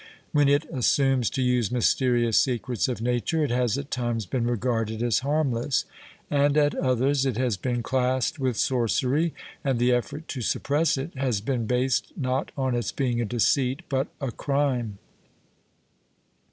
When it assumes to use mysterious secrets of nature, it has at times been regarded as harmless, and at others it has been classed with sorcery, and the effort to suppress it has been based, not on its being a deceit, but a crime.